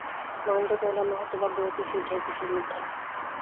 মহেন্দ্র কহিল, আমি-হতভাগ্যও কি সেই ঢের বেশির মধ্যে।